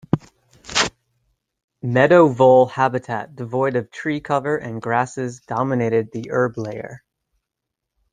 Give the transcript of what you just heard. Meadow vole habitat devoid of tree cover and grasses dominated the herb layer.